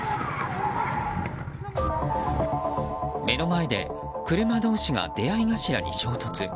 目の前で車同士が出合い頭に衝突。